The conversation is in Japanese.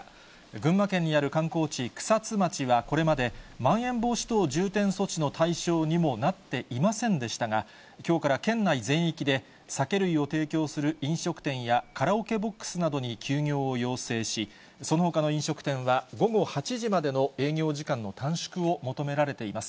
群馬県にある観光地、草津町ではこれまで、まん延防止等重点措置の対象にもなっていませんでしたが、きょうから県内全域で、酒類を提供する飲食店や、カラオケボックスなどに休業を要請し、そのほかの飲食店は午後８時までの営業時間の短縮を求められています。